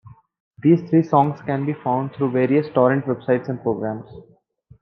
These three songs can be found through various Torrent websites and programs.